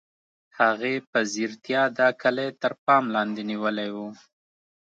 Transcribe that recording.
هغې په ځیرتیا دا کلی تر پام لاندې نیولی و